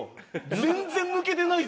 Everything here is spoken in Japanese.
全然抜けてないぜ。